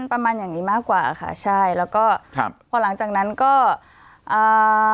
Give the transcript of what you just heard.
ประมาณอย่างงี้มากกว่าค่ะใช่แล้วก็ครับพอหลังจากนั้นก็อ่า